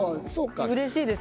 うれしいです